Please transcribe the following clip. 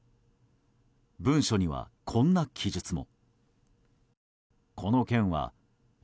文書には、こんな記述も。